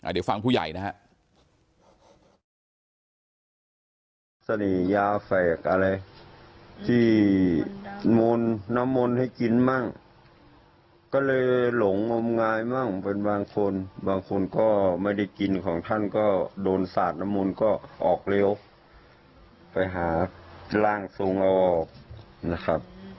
เดี๋ยวฟังผู้ใหญ่นะครับ